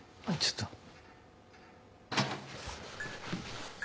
あっちょっと。